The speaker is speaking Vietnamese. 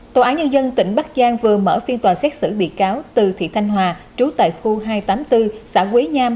tòa án nhân dân tỉnh bắc giang vừa mở phiên tòa xét xử bị cáo từ thị thanh hòa trú tại khu hai trăm tám mươi bốn xã quế nham